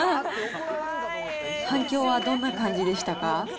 反響はどんな感じでしたか。